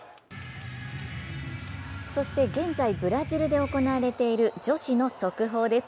そして現在ブラジルで行われている女子の速報です。